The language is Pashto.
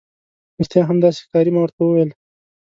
رښتیا هم، داسې ښکاري. ما ورته وویل.